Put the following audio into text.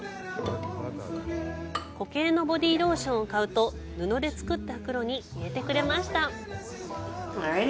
固形のボディーローションを買うと布で作った袋に入れてくれました。